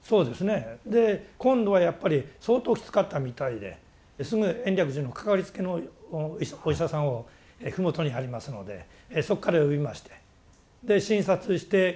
で今度はやっぱり相当きつかったみたいですぐ延暦寺のかかりつけのお医者さんを麓にありますのでそこから呼びましてで診察して血液を採る。